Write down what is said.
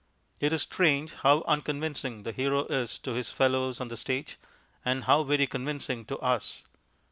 It is strange how unconvincing the Hero is to his fellows on the stage, and how very convincing to us.